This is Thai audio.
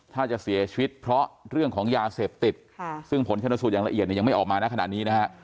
ถ้าจะเสียชีวิตเพราะเรื่องของยาเสพติดซึ่งผลชนสูตรอย่างละเอียดเนี่ยยังไม่ออกมานะขณะนี้นะฮะ